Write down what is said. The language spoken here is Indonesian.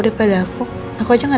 ternyata dia lagi nangis